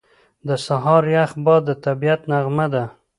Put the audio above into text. • د سهار یخ باد د طبیعت نغمه ده.